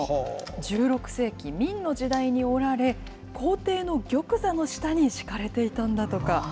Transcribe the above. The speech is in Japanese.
１６世紀、明の時代に織られ、皇帝の玉座の下に敷かれていたんだとか。